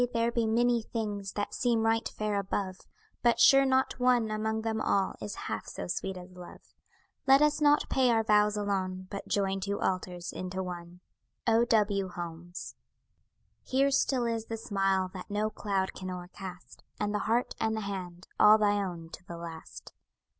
there be many things That seem right fair above; But sure not one among them all Is half so sweet as love; Let us not pay our vows alone, But join two altars into one. O. W. HOLMES Here still is the smile that no cloud can o'ercast, And the heart, and the hand, all thy own to the last.